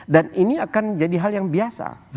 dan ini akan jadi hal yang biasa